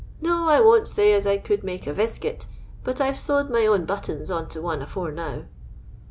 No, I won't say as I could make a * veskit, but I 've sowed my own buttons on to one tdore now.